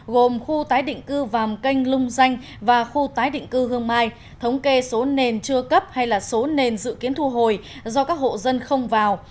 gồm khu tái định cư vàm kênh lung danh và khu tái định cư hương mai thống kê số nền chưa cấp hay là số nền dự kiến thu hồi do các hộ dân không vào